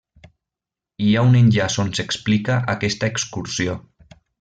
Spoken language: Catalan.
Hi ha un enllaç on s'explica aquesta excursió.